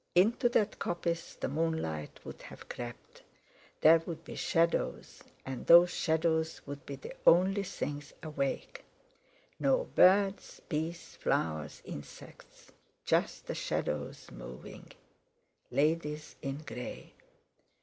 Into that coppice the moonlight would have crept; there would be shadows, and those shadows would be the only things awake. No birds, beasts, flowers, insects; Just the shadows —moving; "Ladies in grey!"